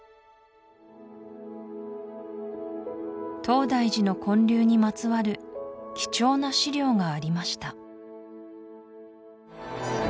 東大寺の建立にまつわる貴重な資料がありました